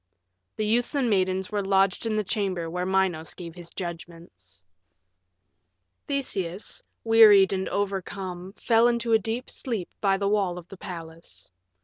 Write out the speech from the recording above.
The youths and maidens were lodged in the chamber where Minos gave his judgments. VI Theseus, wearied and overcome, fell into a deep sleep by the wall of the palace.